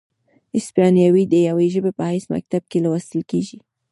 هسپانیوي د یوې ژبې په حیث مکتب کې لوستل کیږي،